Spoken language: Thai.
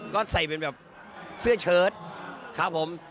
ก็ใส่เป็นแบบเสื้อเชิดครับผม